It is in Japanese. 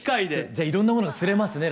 じゃあいろんなものがすれますね